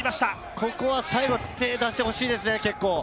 ここは最後は手を出してほしいですね。